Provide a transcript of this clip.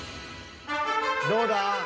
どうだ？